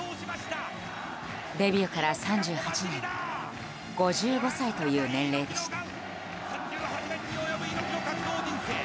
デビューから３８年５５歳という年齢でした。